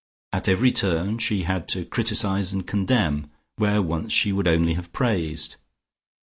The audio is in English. At every turn she had to criticise and condemn where once she would only have praised.